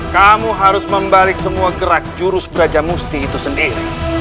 kamu harus membalik semua gerak jurus brajamusti itu sendiri